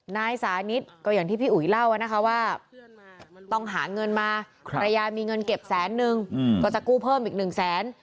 นายสานิทก็อย่างที่พี่อุ๋ยเล่านะคะว่าต้องหาเงินมาภรรยามีเงินเก็บแสนนึงก็จะกู้เพิ่มอีกหนึ่งแสน